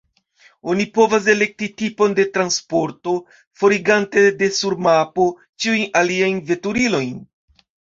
Oni povas elekti tipon de transporto, forigante de sur mapo ĉiujn aliajn veturilojn.